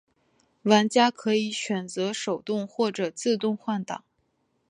玩家可以选择手动或者自动换挡。